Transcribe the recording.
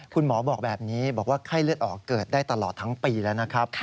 คุณหมอบอกแบบนี้บอกว่าไข้เลือดออกเกิดได้ตลอดทั้งปีแล้วนะครับ